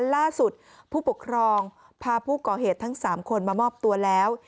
ล่าสุดผู้ปกครองพาผู้ก่อเหตุทั้ง๓คนมามอบตัวแล้ว